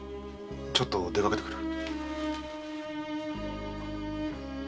ちょっとでかけてくる。